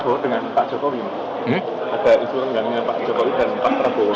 ada isu renggangnya pak jokowi dengan pak prabowo